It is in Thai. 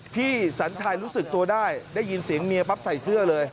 สัญชายรู้สึกตัวได้ได้ยินเสียงเมียปั๊บใส่เสื้อเลย